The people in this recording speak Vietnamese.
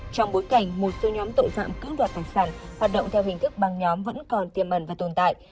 trong bối cảnh một số nhóm tội phạm cưỡng đoạt tài sản hoạt động theo hình thức băng nhóm vẫn còn tiềm mẩn và tồn tại